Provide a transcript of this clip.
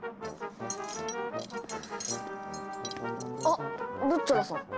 あルッチョラさん。